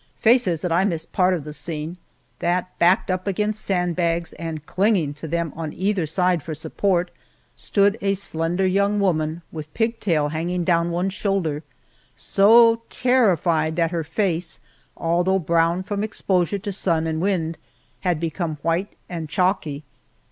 Faye says that I missed part of the scene; that, backed up against sand bags and clinging to them on either side for support, stood a slender young woman with pigtail hanging down one shoulder, so terrified that her face, although brown from exposure to sun and wind, had become white and chalky.